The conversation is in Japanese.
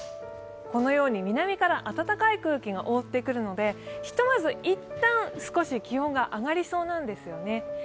このように南から暖かい空気が覆ってくるのでひとまず、一旦少し気温が上がりそうなんですよね。